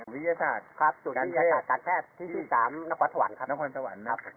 วิทยาศาสตร์การแพทย์ที่๓นครสวรรค์ครับ